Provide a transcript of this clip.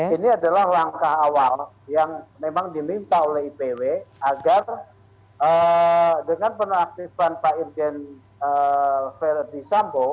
ini adalah langkah awal yang memang diminta oleh ipw agar dengan penonaktifan pak irjen verdi sambo